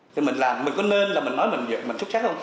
thì mình làm mình có nên là mình nói mình xuất sắc không